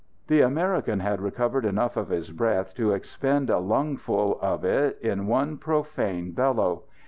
The American had recovered enough of his breath to expend a lungful of it in one profane bellow.